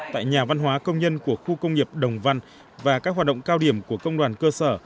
tại nhà văn hóa công nhân của khu công nghiệp đồng văn và các hoạt động cao điểm của công đoàn cơ sở